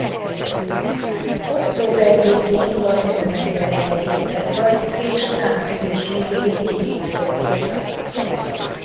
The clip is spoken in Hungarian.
Október végén vagy november elején befagy és április végéig jég borítja.